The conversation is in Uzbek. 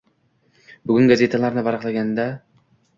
Bugun: gazetalarni varaqlaganda…ng